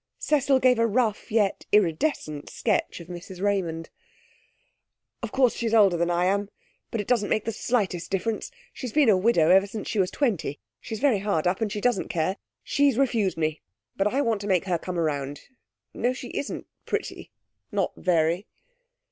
Cecil gave a rough yet iridescent sketch of Mrs Raymond. 'Of course she's older than I am, but it doesn't make the slightest difference. She's been a widow ever since she was twenty. She's very hard up, and she doesn't care. She's refused me, but I want to make her come round.... No, she isn't pretty, not very.'